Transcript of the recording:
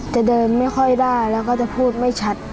จะเดินไม่ค่อยได้แล้วก็จะพูดไม่ชัด